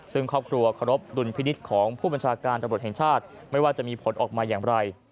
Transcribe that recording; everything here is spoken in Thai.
ซึ่งครอบครัวเคารพดุลพินิษฐ์ของผู้บัญชาการตำรวจแห่งชาติไม่ว่าจะมีผลออกมาอย่างไร